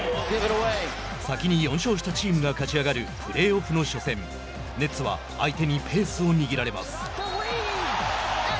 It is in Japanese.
先に４勝したチームが勝ち上がるプレーオフの初戦ネッツは相手にペースを握られます。